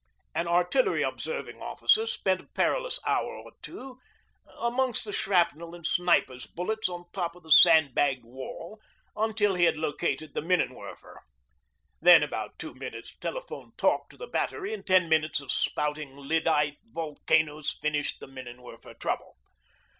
An Artillery Observing Officer spent a perilous hour or two amongst the shrapnel and snipers' bullets on top of the sandbagged wall, until he had located the minnenwerfer. Then about two minutes' telephoned talk to the Battery and ten minutes of spouting lyddite volcanoes finished the minnenwerfer trouble.